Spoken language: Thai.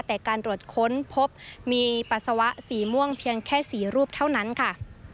แต่การตรวจค้นพบมีปัสสาวะสีม่วงเพียงแค่๔รูปเท่านั้นค่ะ